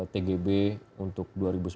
tgb untuk dua ribu sembilan belas